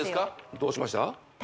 どうしました？